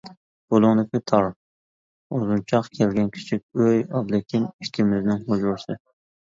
بۇلۇڭدىكى تار، ئۇزۇنچاق كەلگەن كىچىك ئۆي ئابلىكىم ئىككىمىزنىڭ ھۇجرىسى.